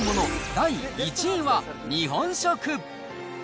第１位は日本食。